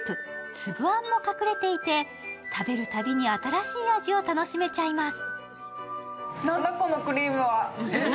粒あんも隠れていて食べるたびに新しい味を楽しめちゃいます。